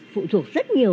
phụ thuộc rất nhiều